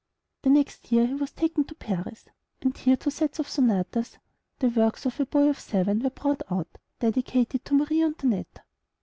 The next year he was taken to Paris, and here two sets of sonatas, the works of a boy of seven, were brought out, dedicated to Marie Antoinette.